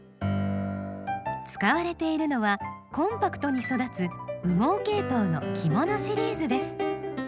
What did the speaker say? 使われているのはコンパクトに育つ羽毛ケイトウの「きもの」シリーズです。